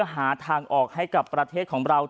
หาทางออกให้กับประเทศของเรา